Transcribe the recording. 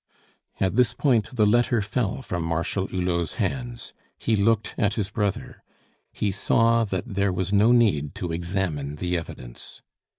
At this point the letter fell from Marshal Hulot's hands; he looked at his brother; he saw that there was no need to examine the evidence.